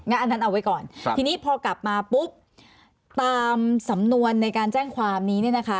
อันนั้นเอาไว้ก่อนทีนี้พอกลับมาปุ๊บตามสำนวนในการแจ้งความนี้เนี่ยนะคะ